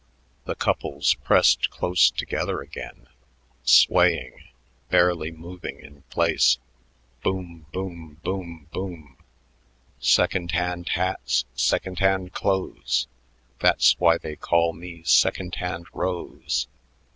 The couples pressed close together again, swaying, barely moving in place boom, boom, boom, boom "Second hand hats, second hand clothes That's why they call me second hand Rose...."